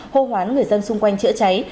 hô hoán người dân xung quanh chữa cháy